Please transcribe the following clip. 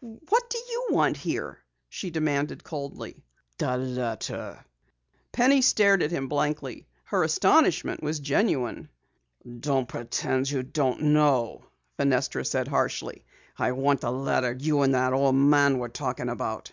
"What do you want here?" she demanded coldly. "The letter." Penny stared at him blankly. Her astonishment was genuine. "Don't pretend you don't know," Fenestra said harshly. "I want the letter you and that old man were talking about."